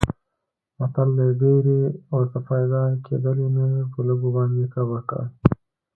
متل دی: ډېرې ورته پیدا کېدلې نه په لږو باندې کبر کوي.